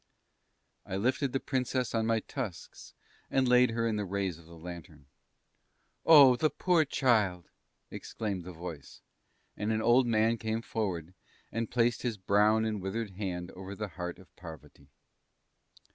I lifted the Princess on my tusks and laid her in the rays of the lantern. "Oh, the poor child!" exclaimed the Voice, and an old man came forward and placed his brown and withered hand over the heart of Parvati.